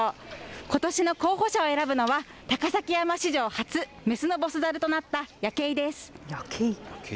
ことしの候補者を選ぶのは、高崎山史上初、雌のボスザルとなったヤケイです。